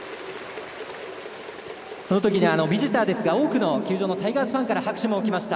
そのときにビジターですが多くの球場のタイガースファンから拍手も起きました。